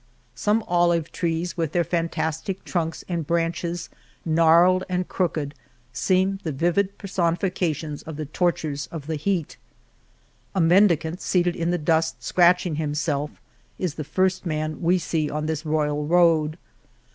Some olive trees with their fantastic trunks and branches gnarled and crooked seem the vivid personifications of the tortures of the heat. A mendicant, seated in the dust scratching himself, is the first man we see on this royal road.